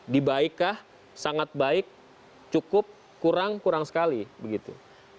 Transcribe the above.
di baik kah sangat baik cukup kurang kurang sekali begitu